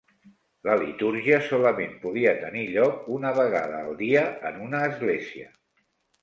La litúrgia solament podia tenir lloc una vegada al dia en una església.